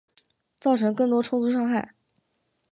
造成更多冲突伤害